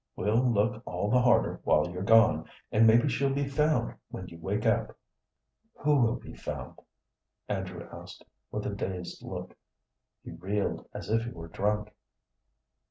We'll look all the harder while you're gone, and maybe she'll be found when you wake up." "Who will be found?" Andrew asked, with a dazed look. He reeled as if he were drunk.